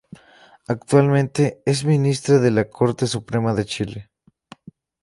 Actualmente es Ministra de la Corte Suprema de Chile.